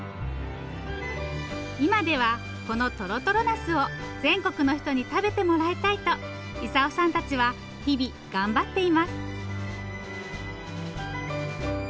今ではこのとろとろナスを全国の人に食べてもらいたいと功さんたちは日々頑張っています。